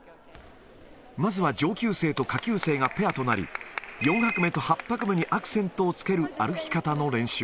まずは上級生と下級生がペアとなり、４拍目と８拍目にアクセントをつける歩き方の練習。